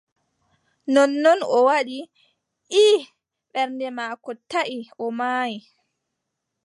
Nonnon o waɗi :« ii » ɓernde maako taʼi o maayi.